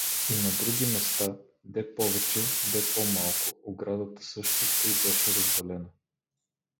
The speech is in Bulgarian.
И на други места, де повече, де по-малко, оградата също тъй беше развалена.